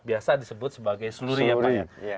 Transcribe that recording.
biasa disebut sebagai seluri ya pak ya